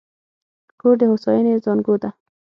کور د هوساینې زانګو ده.